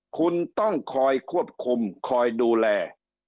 คุณต้องคอยควบคุมคอยดูแล